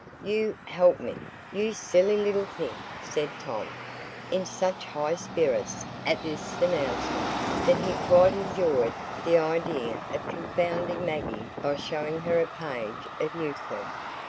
"You help me, you silly little thing!" said Tom, in such high spirits at this announcement that he quite enjoyed the idea of confounding Maggie by showing her a page of Euclid.